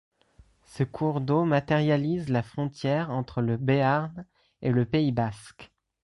Ce cours d'eau matérialise la frontière entre le Béarn et le Pays basque.